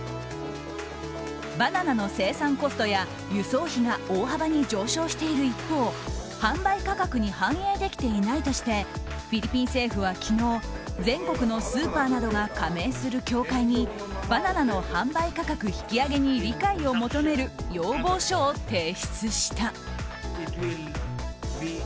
バナナの生産コストや輸送費が大幅に上昇している一方販売価格に反映できていないとしてフィリピン政府は昨日全国のスーパーなどが加盟する協会にバナナの販売価格引き上げに理解を求める要望書を提出した。